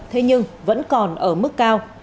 thế nhưng vẫn còn ở mức cao